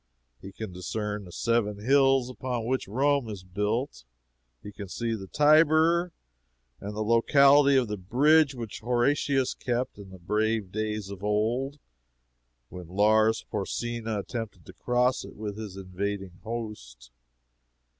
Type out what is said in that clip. He can discern the seven hills upon which Rome is built. He can see the Tiber, and the locality of the bridge which Horatius kept "in the brave days of old" when Lars Porsena attempted to cross it with his invading host.